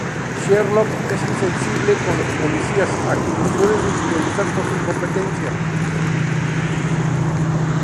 Sherlock es insensible con los policías, a quienes suele ridiculizar por su incompetencia.